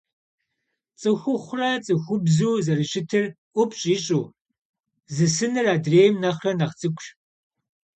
ЦӀыхухъурэ цӀыхубзу зэрыщытыр ӀупщӀ ищӀу, зысыныр адрейм нэхърэ нэхъ цӀыкӀущ.